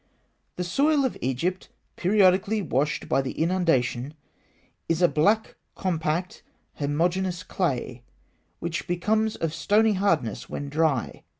The soil of Egypt, periodically washed by the inundation, is a black, compact, homogeneous clay, which becomes of stony hardness when dry.